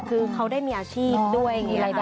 คือเขาได้มีอาชีพด้วย